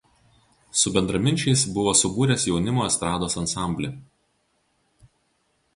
Su bendraminčiais buvo subūręs jaunimo estrados ansamblį.